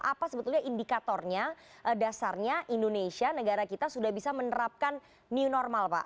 apa sebetulnya indikatornya dasarnya indonesia negara kita sudah bisa menerapkan new normal pak